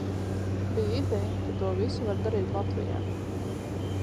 Bija ideja, ka to visu var darīt Latvijā.